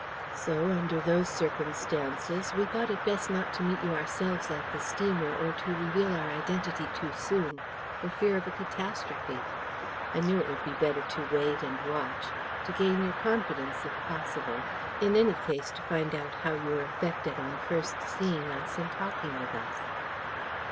So under those circumstances, we thought it best not to meet you ourselves at the steamer, or to reveal our identity too soon, for fear of a catastrophe. I knew it would be better to wait and watch to gain your confidence, if possible in any case, to find out how you were affected on first seeing us and talking with us.